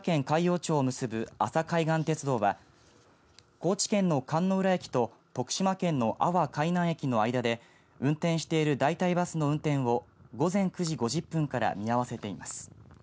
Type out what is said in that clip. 町を結ぶ阿佐海岸鉄道は高知県の甲浦駅と徳島県の阿波海南駅の間で運転している代替バスの運転を午前９時５０分から見合わせています。